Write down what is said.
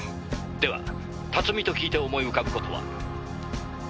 「では辰巳と聞いて思い浮かぶ事は？」